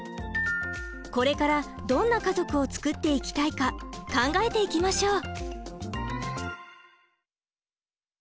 これからどんな家族を作っていきたいか考えていきましょう！